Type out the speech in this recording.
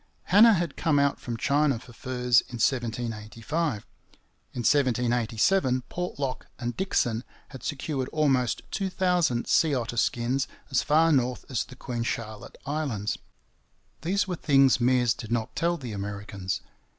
Hanna had come out from China for furs in 1785. In 1787 Portlock and Dixon had secured almost two thousand sea otter skins as far north as the Queen Charlotte Islands. These were things Meares did not tell the Americans.